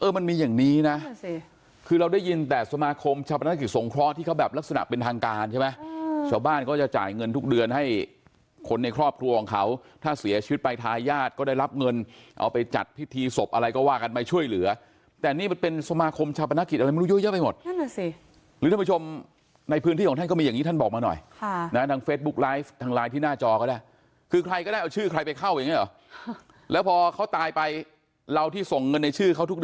นะนั่นแหละสิคือเราได้ยินแต่สมาคมชาปนกิจสงครองที่เขาแบบลักษณะเป็นทางการใช่ไหมอืมชาวบ้านก็จะจ่ายเงินทุกเดือนให้คนในครอบครัวของเขาถ้าเสียชีวิตไปทายาทก็ได้รับเงินเอาไปจัดพิธีศพอะไรก็ว่ากันมาช่วยเหลือแต่นี่มันเป็นสมาคมชาปนกิจอะไรมันรู้เยอะเยอะไปหมดนั่นแหละสิหรือท่านผู้ชม